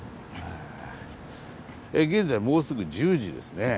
現在もうすぐ１０時ですね。